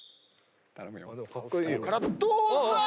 どうだ？